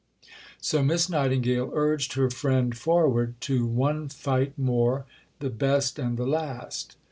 So Miss Nightingale urged her friend forward to "one fight more, the best and the last."